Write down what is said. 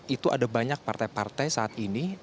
itu ada banyak partai partai saat ini